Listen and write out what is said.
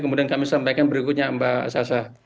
kemudian kami sampaikan berikutnya mbak sasa